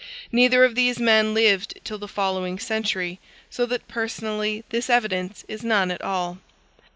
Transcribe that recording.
Neither of these men lived till the following century, so that personally this evidence is none at all.